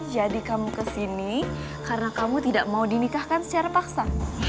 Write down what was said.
jadi kamu kesini karena kamu tidak mau dinikahkan secara paksa